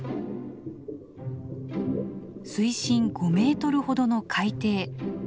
水深５メートルほどの海底。